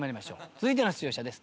続いての出場者です。